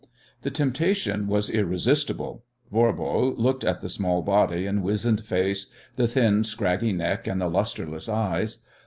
The temptation was irresistible. Voirbo looked at the small body and wizened face, the thin, scraggy neck and the lustreless eyes.